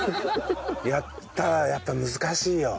やったらやっぱ難しいよ